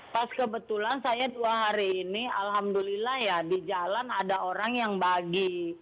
pas kebetulan saya dua hari ini alhamdulillah ya di jalan ada orang yang bagi